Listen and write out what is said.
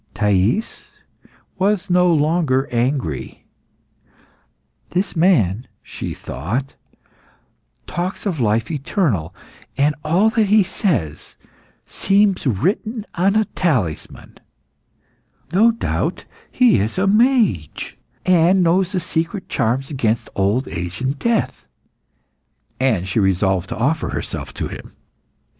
Thais was no longer angry. "This man," she thought, "talks of life eternal and all that he says seems written on a talisman. No doubt he is a mage, and knows secret charms against old age and death," and she resolved to offer herself to him.